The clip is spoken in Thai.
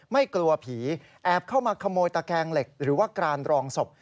ไม่กลัวผีแอบเข้ามาขโมยตะแกงเหล็กหรือว่ากรานรองศพ